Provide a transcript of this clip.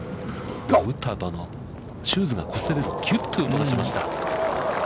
打ったあと、シューズがこすれる、きゅっという音がしました。